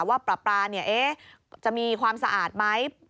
ว่าปะปาเนี่ยจะมีความสะอาดไหม